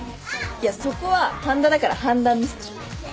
いやそこは半田だから判断ミスでしょ。